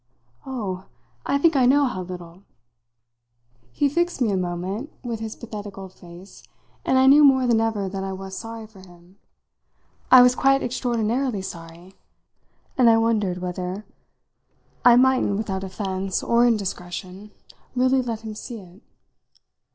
"Oh, I think I know how little!" He fixed me a moment with his pathetic old face, and I knew more than ever that I was sorry for him. I was quite extraordinarily sorry, and I wondered whether I mightn't without offence or indiscretion really let him see it.